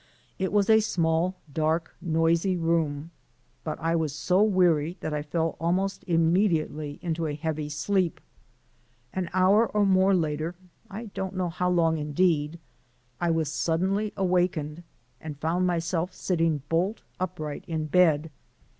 It was a small, dark, noisy room, but I was so weary that I fell almost immediately into a heavy sleep. An hour or more later I don't know how long indeed I was suddenly awakened and found myself sitting bolt upright in bed.